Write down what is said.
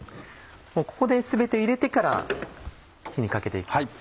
ここで全て入れてから火にかけて行きます。